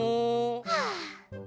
はあ。